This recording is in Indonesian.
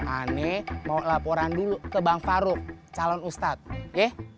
aneh mau laporan dulu ke bang farouk calon ustadz ye